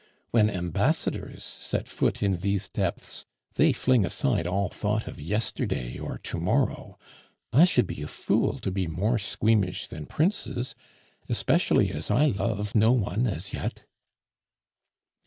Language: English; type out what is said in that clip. When ambassadors set foot in these depths, they fling aside all thought of yesterday or to morrow. I should be a fool to be more squeamish than princes, especially as I love no one as yet."